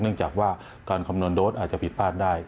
เนื่องจากว่าการคำนวณโดสอาจจะผิดพลาดได้